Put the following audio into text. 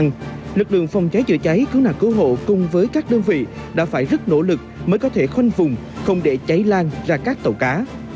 nhưng lực lượng phòng cháy chữa cháy cứu nạn cứu hộ cùng với các đơn vị đã phải rất nỗ lực mới có thể khoanh vùng không để cháy lan ra các tàu cá